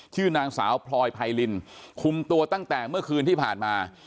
ชื่อนางสาวพลอยไพรินคุมตัวตั้งแต่เมื่อคืนที่ผ่านมา